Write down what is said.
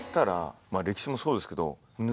歴史もそうですけど。